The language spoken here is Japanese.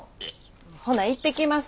ほな行ってきます。